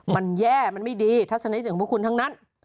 มันแย่มันไม่ดีทัศนิตอย่างพวกคุณทั้งนั้น